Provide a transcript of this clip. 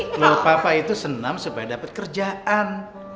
kalau papa itu senam supaya dapat kerjaan